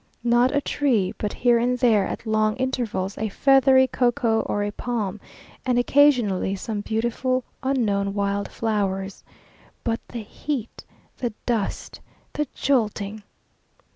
Not a tree but here and there, at long intervals, a feathery cocoa or a palm, and occasionally some beautiful, unknown wild flowers. But the heat, the dust, the jolting!